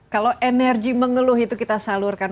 kalau energi mengeluh itu kita salurkan